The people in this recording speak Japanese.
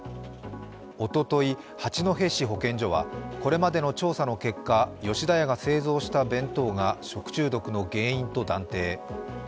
おととい、八戸市保健所は、これまでの調査の結果、吉田屋が製造した弁当が食中毒の原因と断定。